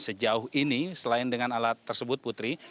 sejauh ini selain dengan alat tersebut putri